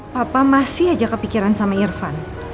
papa masih aja kepikiran sama irfan